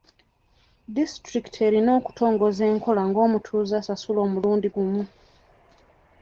Disitulikiti erina okutongoza enkola ng'omutuuze asasula omulundi gumu.